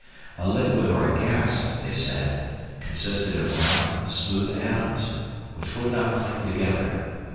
A liquid or a gas, they said, consisted of round, smooth atoms, which would not cling together.